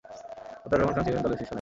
আতাউর রহমান খান ছিলেন দলের শীর্ষ নেতা।